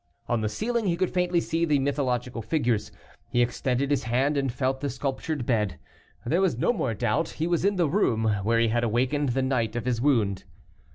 On the ceiling he could faintly see the mythological figures; he extended his hand, and felt the sculptured bed. There was no more doubt, he was in the room where he had awakened the night of his wound.